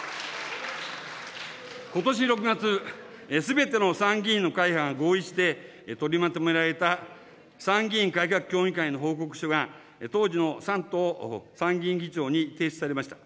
ことし６月、すべての参議院の会派が合意して取りまとめられた参議院改革協議会の報告書が、当時の山東参議院議長に提出されました。